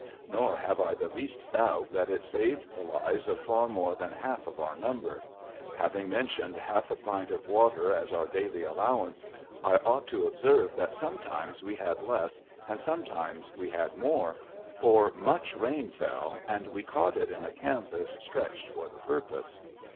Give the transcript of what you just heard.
Nor have I the least doubt that it saved the lives of fixr more than half our number. Having mentioned half a i)int of water as our daily allowance, I ought to observe that sometimes we had less, and sometimes we had more ; for much rain fell, and we caught it in a canvas stretched for the purpose.